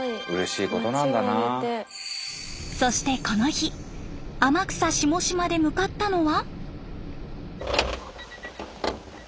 そしてこの日天草下島で向かったのは。